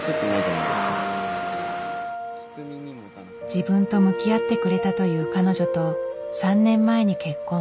自分と向き合ってくれたという彼女と３年前に結婚。